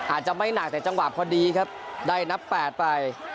อาจจะไม่หนักแต่จังหวะพอดีครับได้นับ๘ไป